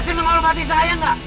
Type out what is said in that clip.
masih menghormati saya gak